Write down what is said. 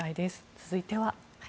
続いては。